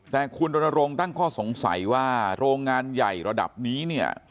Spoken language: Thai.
แต่คุณรณรงค์ตั้งข้อสงสัยว่าโรงงานใหญ่ระดับนี้เนี่ย